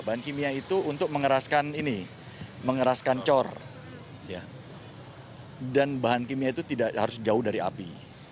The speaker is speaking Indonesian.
bahan kimia itu untuk mengeraskan ini mengeraskan cor dan bahan kimia itu tidak harus jauh dari api